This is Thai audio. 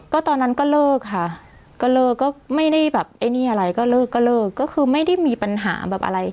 ก็ตอนนั้นก็เลิกค่ะก็เลิกก็ไม่ได้แบบไอ้นี่อะไรก็เลิกก็เลิกก็คือไม่ได้มีปัญหาแบบอะไร